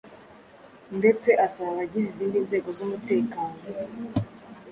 ndetse asaba abagize izindi nzego z'umutekano